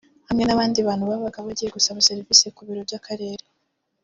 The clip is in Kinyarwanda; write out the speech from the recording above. hamwe n’abandi bantu babaga bagiye gusaba serivisi ku biro by’Akarere